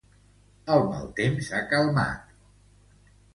El mal temps ha calmat.